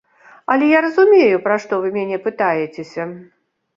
Але я разумею, пра што вы мяне пытаецеся.